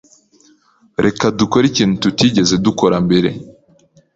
Reka dukore ikintu tutigeze dukora mbere.